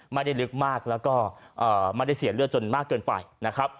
ลึกมากแล้วก็ไม่ได้เสียเลือดจนมากเกินไปนะครับ